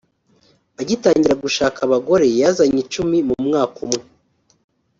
agitangira gushaka abagore yazanye icumi mu mwaka umwe